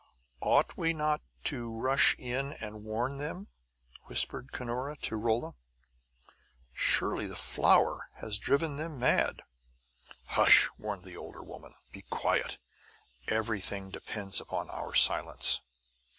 "Ought we not to rush in and warn them?" whispered Cunora to Rolla. "Surely the flower hath driven them mad!" "Hush!" warned the older woman. "Be quiet! Everything depends upon our silence!"